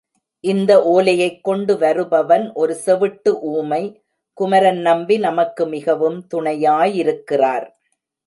இந்த ஒலையைக் கொண்டு வருபவன் ஒரு செவிட்டு ஊமை, குமரன் நம்பி நமக்கு மிகவும் துணையாயிருக்கிறார்.